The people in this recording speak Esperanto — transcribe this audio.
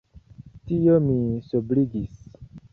Tio min sobrigis.